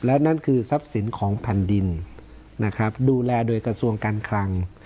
และนั่นคือทรัพย์สินของแผ่นดินนะครับดูแลโดยกระทรวงการคลัง